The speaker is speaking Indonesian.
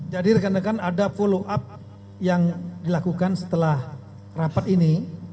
rekan rekan ada follow up yang dilakukan setelah rapat ini